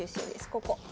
ここ。